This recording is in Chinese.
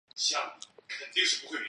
塞那阿巴斯巨人像附近的山脚。